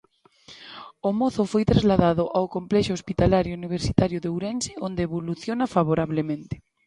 O mozo foi trasladado ao Complexo Hospitalario Universitario de Ourense onde evoluciona favorablemente.